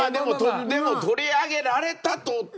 でも取り上げられたとて。